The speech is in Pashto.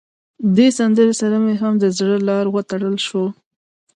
دې سندره سره مې هم د زړه تار وتړل شو.